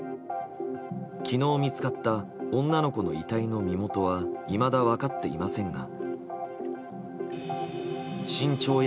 昨日、見つかった女の子の遺体の身元はいまだ分かっていませんが。